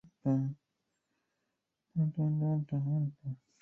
弯曲喇叭口螺为虹蛹螺科喇叭螺属的动物。